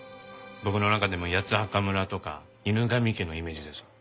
僕の中でも『八つ墓村』とか『犬神家』のイメージです。